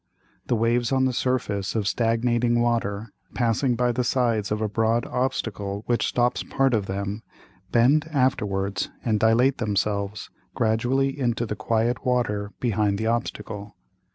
The Waves on the Surface of stagnating Water, passing by the sides of a broad Obstacle which stops part of them, bend afterwards and dilate themselves gradually into the quiet Water behind the Obstacle.